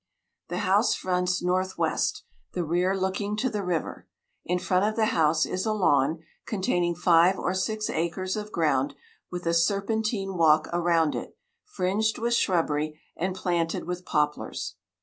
The house fronts north west, the rear looking to the river. In front of the house is a lawn, containing five or six acres of ground, with a serpentine walk around it, fringed with shrubbery, and planted with poplars.